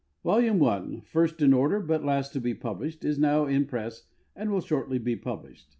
Volume 1, first in order but last to be published, is now in press and will shortly be published.